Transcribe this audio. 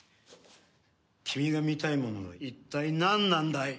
君が見たいものは一体なんなんだい？